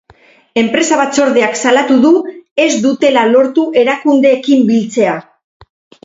Enpresa batzordeak salatu du ez dutela lortu erakundeekin biltzea.